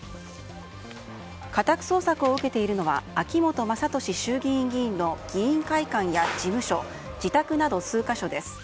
家宅捜索を受けているのは秋本真利衆議院議員の議員会館や事務所自宅など数か所です。